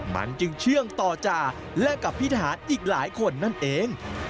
มันจึงเชื่อมต่อจ่าและกับพี่ทหารอีกหลายคนนั่นเอง